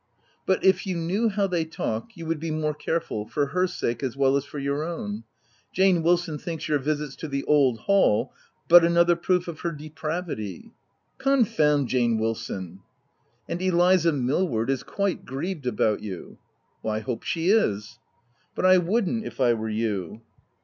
" But if you knew how they talk, you would be more careful — for her sake as well as for your VOL. I. K 194 THE TENANT own. Jane Wilson thinks your visits to the old hall but another proof of her depravity — v "Confound Jane Wilson !"" And Eliza Millward is quite grieved about you." " I hope she is." " But I would'nt if I were you."